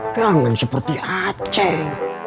kangen seperti aceh